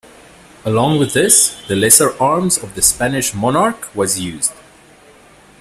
Along with this, the lesser arms of the Spanish monarch was used.